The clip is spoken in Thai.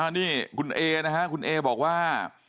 นี่คุณเอนะฮะคุณเอบอกว่า